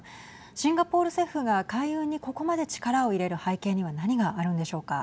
シンガポール政府が、海運にここまで力を入れる背景には何があるんでしょうか。